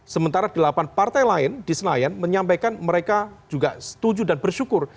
sementara delapan partai lain di senayan menyampaikan mereka juga setuju dan bersyukur